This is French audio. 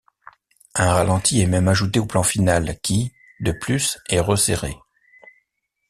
Un ralenti est même ajouté au plan final qui, de plus, est resserré.